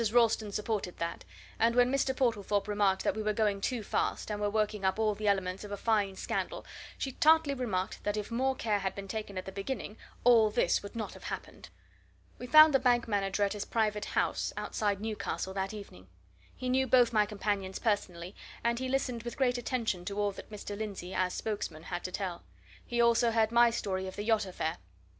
Ralston supported that; and when Mr. Portlethorpe remarked that we were going too fast, and were working up all the elements of a fine scandal, she tartly remarked that if more care had been taken at the beginning, all this would not have happened. We found the bank manager at his private house, outside Newcastle, that evening. He knew both my companions personally, and he listened with great attention to all that Mr. Lindsey, as spokesman, had to tell; he also heard my story of the yacht affair.